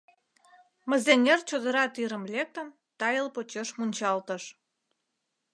Мызеҥер чодыра тӱрым лектын, тайыл почеш мунчалтыш.